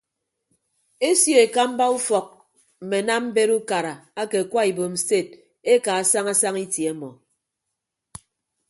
Esio ekamba ufọk mme anam mbet ukara ake akwa ibom sted ekaa saña saña itie ọmọ.